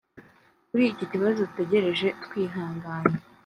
kuri iki kibazo dutegereje twihanganye